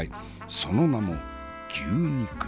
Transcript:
その名も牛肉。